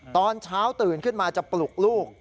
ตอนเช้าตื่นขึ้นมาจะปลุกลูก